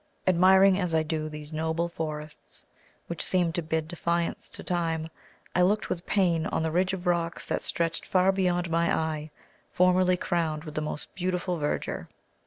Admiring, as I do, these noble forests, which seem to bid defiance to time, I looked with pain on the ridge of rocks that stretched far beyond my eye, formerly crowned with the most beautiful verdure.